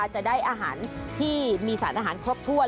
จะได้อาหารที่มีสารอาหารครบถ้วน